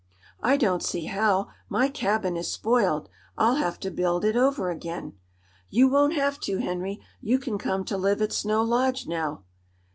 "I don't see how. My cabin is spoiled. I'll have to build it over again." "You won't have to, Henry. You can come to live at Snow Lodge now."